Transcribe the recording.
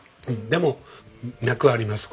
でも脈あります